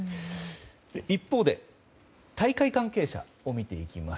一方で大会関係者を見ていきます。